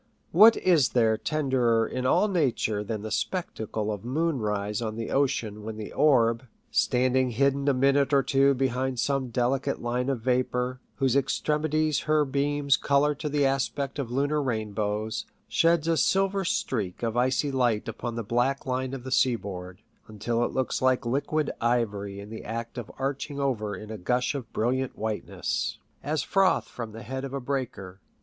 What is there tenderer in all nature than the spectacle of moon rise on the ocean when the orb, standing hidden a minute or two behind some delicate line of vapour, whose extremities her beams colour to the aspect of lunar rainbows, sheds a silver streak of icy light upon the black line of the seaboard, until it looks like liquid ivory in the act of arching over in a gush of brilliant whiteness, as froth from the head of a breaker